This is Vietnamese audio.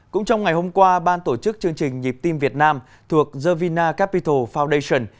cũng trong ngày hôm qua ban tổ chức chương trình nhịp tim việt nam thuộc the vina capital foundation